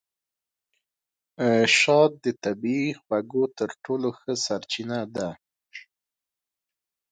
شات د طبیعي خوږو تر ټولو ښه سرچینه ده.